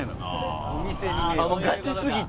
もうガチすぎて？